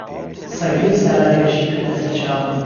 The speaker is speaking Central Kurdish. سەگەکەی سالار هێرشی کردە سەر چاوان.